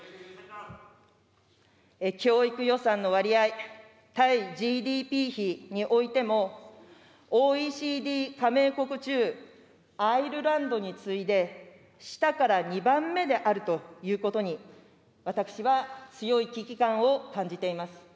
教育予算の割合、対ＧＤＰ比においても、ＯＥＣＤ加盟国中、アイルランドに次いで、下から２番目であるということに、私は強い危機感を感じています。